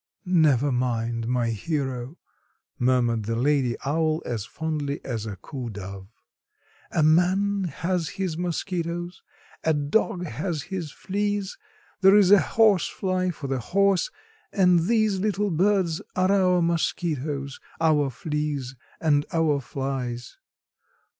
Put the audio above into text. "Never mind, my hero," murmured the lady owl as fondly as a coo dove, "a man has his mosquitoes, a dog has his fleas, there is a horsefly for the horse, and these little birds are our mosquitoes, our fleas and our flies.